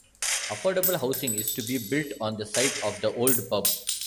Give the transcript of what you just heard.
Affordable housing is to be built on the site of the old pub.